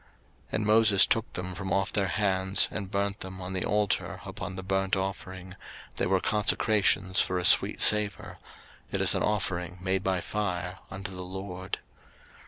03:008:028 And Moses took them from off their hands, and burnt them on the altar upon the burnt offering: they were consecrations for a sweet savour: it is an offering made by fire unto the LORD.